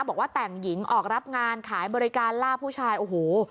บอกว่าแต่งหญิงออกรับงานขายบริการล่าผู้ชายโอ้โห